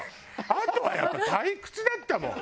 あとはやっぱり退屈だったもん。